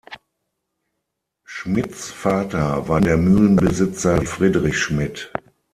Schmidts Vater war der Mühlenbesitzer Friedrich Schmidt.